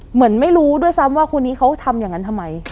เหมือนไม่รู้ด้วยซ้ำว่าคนนี้เขาทำอย่างนั้นทำไม